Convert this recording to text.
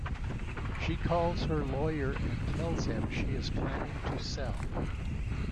She calls her lawyer and tells him she is planning to sell.